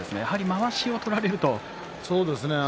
まわしを取られると。